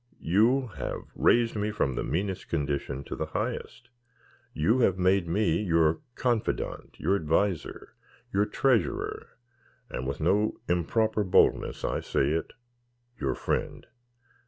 You have raised me from the meanest condition to the highest. You have made me your confidant, your adviser, your treasurer, and with no improper boldness I say it, your friend.